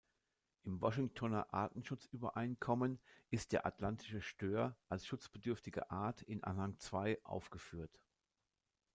Im Washingtoner Artenschutzübereinkommen ist der Atlantische Stör als schutzbedürftige Art in Anhang zwei aufgeführt.